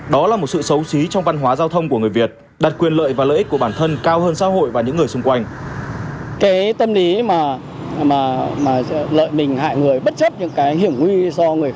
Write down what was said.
đó là một sự xấu xí trong văn hóa giao thông của người việt đặt quyền lợi và lợi ích của bản thân